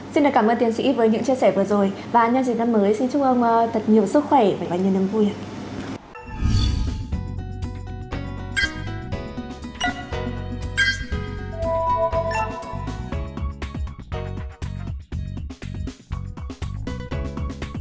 xin cảm ơn tiến sĩ với những chia sẻ vừa rồi và nhân dịch năm mới xin chúc ông thật nhiều sức khỏe và nhiều năm vui